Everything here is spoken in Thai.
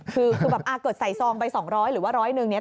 คือแบบกดใส่ซองไป๒๐๐หรือว่า๑๐๐นึงเนี่ย